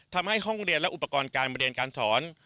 ทำให้ห้องเรียนและอุปกรณ์การเรียนการสอน